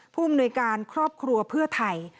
ภูมิในการครอบครัวเพื่อไทย